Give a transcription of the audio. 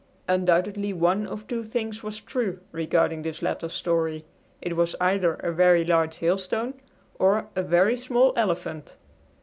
Undoubtedly one of two things was true regarding this latter story; it was either a very large hailstone or a very small elephant.